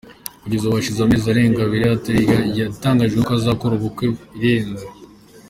Kugeza ubu, hashize amezi arenga abiri itariki yari yatangajeho ko azakora ubukwe irenze.